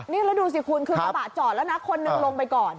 นี่แล้วดูสิคุณคือกระบะจอดแล้วนะคนหนึ่งลงไปก่อน